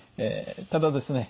ただですね